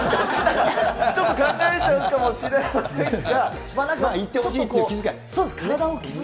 ちょっと考えちゃうかもしれませんが。